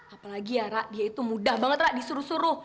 apalagi ya rak dia itu mudah banget rak disuruh suruh